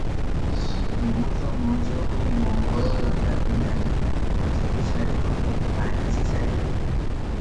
ମୁଁ ତ ମୋ ଝିଅକୁ ମଙ୍ଗଳଲତା ପିନ୍ଧାନ୍ତି, ସେହି ଶାଢ଼ୀ ଖଣ୍ଡ ପାଞ୍ଚି ଶାଢ଼ୀ ହେଉ ।